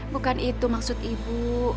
bukan itu maksud ibu